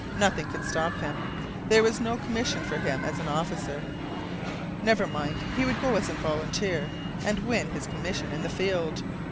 Nothing could stop him. There was no commission for him as an officer. Never mind! He would go as a volunteer and win his commission in the field.